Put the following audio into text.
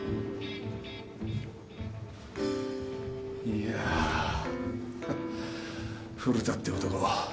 いや古田って男